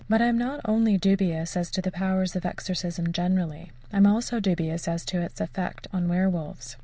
But I am not only dubious as to the powers of exorcism generally, I am also dubious as to its effect on werwolves.